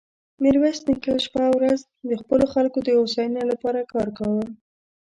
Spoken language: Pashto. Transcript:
ميرويس نيکه شپه او ورځ د خپلو خلکو د هوساينې له پاره کار کاوه.